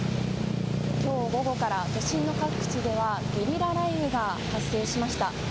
今日午後から都心の各地ではゲリラ雷雨が発生しました。